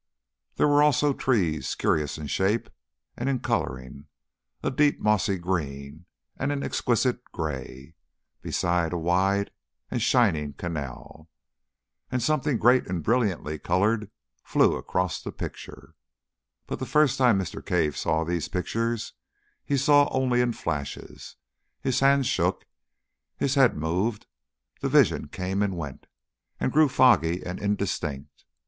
There were also trees curious in shape, and in colouring, a deep mossy green and an exquisite grey, beside a wide and shining canal. And something great and brilliantly coloured flew across the picture. But the first time Mr. Cave saw these pictures he saw only in flashes, his hands shook, his head moved, the vision came and went, and grew foggy and indistinct.